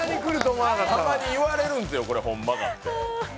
たまに言われるんですよ、これほんまかって。